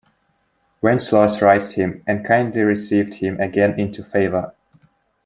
Wenceslas raised him and kindly received him again into favor.